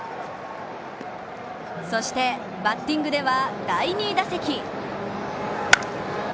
そしてバッティングでは第２打席。